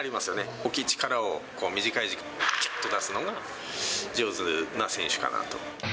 大きい力を短い時間でぎゅっと出すのが上手な選手かなと。